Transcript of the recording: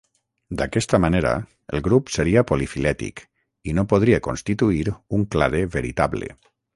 D'aquesta manera el grup seria polifilètic i no podria constituir un clade veritable.